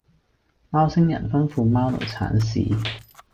貓星人吩咐貓奴剷屎